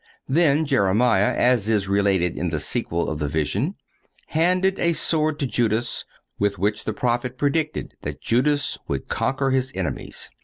(204) Then Jeremiah, as is related in the sequel of the vision, handed a sword to Judas, with which the prophet predicted that Judas would conquer his enemies.